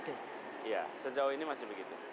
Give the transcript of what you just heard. iya sejauh ini masih begitu